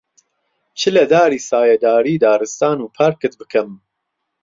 چ لە داری سایەداری دارستان و پارکت بکەم،